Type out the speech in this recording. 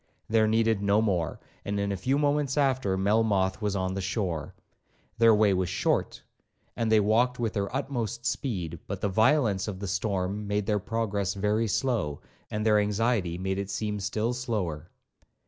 There needed no more; and in a few moments after, Melmoth was on the shore. Their way was short, and they walked with their utmost speed; but the violence of the storm made their progress very slow, and their anxiety made it seem still slower.